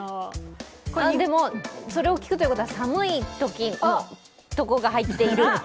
でも、それを聞くということは寒い所が入っている？